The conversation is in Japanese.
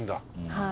はい。